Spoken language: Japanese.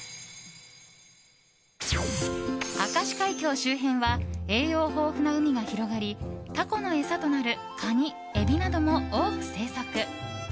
周辺は栄養豊富な海が広がりタコの餌となるカニ、エビなども多く生息。